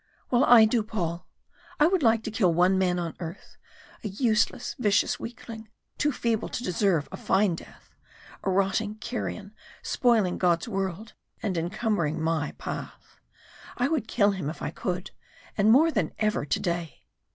"Well, I do, Paul. I would like to kill one man on earth a useless, vicious weakling, too feeble to deserve a fine death a rotting carrion spoiling God's world and encumbering my path! I would kill him if I could and more than ever today."